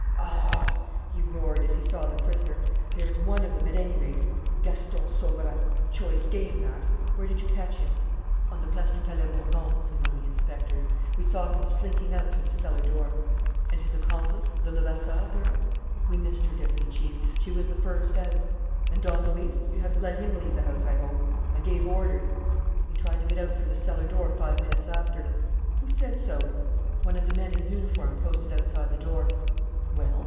"Ah!" he roared, as he saw the prisoner. "There's one of them, at any rate! Gaston Sauverand! Choice game, that!... Where did you catch him?" "On the Place du Palais Bourbon," said one of the inspectors. "We saw him slinking out through the cellar door." "And his accomplice, the Levasseur girl?" "We missed her, Deputy Chief. She was the first out." "And Don Luis? You haven't let him leave the house, I hope? I gave orders." "He tried to get out through the cellar door five minutes after." "Who said so?" "One of the men in uniform posted outside the door." "Well?"